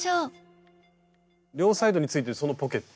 両サイドについてるそのポケット。